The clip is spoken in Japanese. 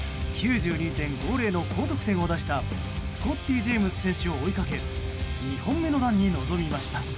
９２．５０の高得点を出したスコッティ・ジェームズ選手を追いかけ２本目のランに臨みました。